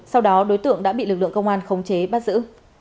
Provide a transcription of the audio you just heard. sau đó đối tượng đã bị lực lượng công an khống chế bắt giữ